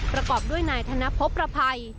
ประกอบด้วยนายธนพบประภัย